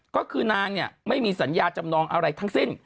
ก็คือนางเนี่ยไม่มีสัญญาจำนองอะไรทั้งสิ้น